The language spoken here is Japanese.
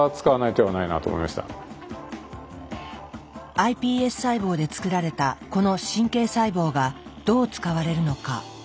ｉＰＳ細胞で作られたこの神経細胞がどう使われるのか。